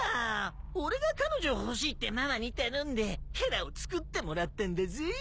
俺が彼女欲しいってママに頼んでヘラをつくってもらったんだぜ。